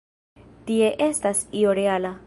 Tie estas io reala.